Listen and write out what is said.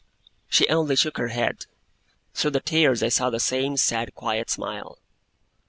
She only shook her head; through her tears I saw the same sad quiet smile.